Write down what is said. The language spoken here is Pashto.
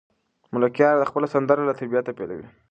ملکیار خپله سندره له طبیعته پیلوي.